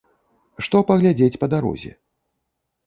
Што паглядзець па дарозе?